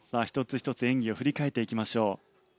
１つ１つ演技を振り返っていきましょう。